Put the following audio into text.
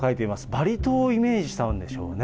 バリ島をイメージしてあるんでしょうね。